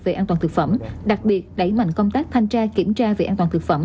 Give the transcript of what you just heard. về an toàn thực phẩm đặc biệt đẩy mạnh công tác thanh tra kiểm tra về an toàn thực phẩm